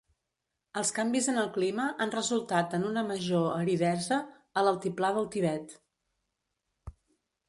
Els canvis en el clima han resultat en una major aridesa a l'Altiplà del Tibet.